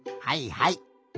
はいはい。